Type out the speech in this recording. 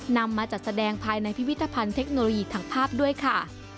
นำมาจัดแสดงภายในพิพิธภัณฑ์เทคโนโลยีทางภาพด้วยค่ะ